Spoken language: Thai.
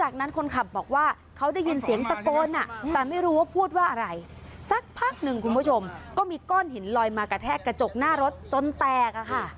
คุณผู้ชมก็มีก้อนหินลอยมากระแทะกระจกหน้ารถจนแตกอะค่ะ